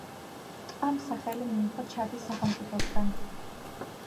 ტბამ სახელი მიიღო ჩადის სახელმწიფოსგან.